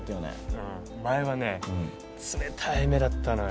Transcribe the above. うん前はね冷たい目だったのよ